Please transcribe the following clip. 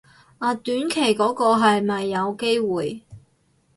啊短期嗰個係咪有機會